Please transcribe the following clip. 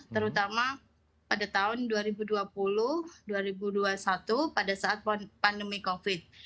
terutama pada tahun dua ribu dua puluh dua ribu dua puluh satu pada saat pandemi covid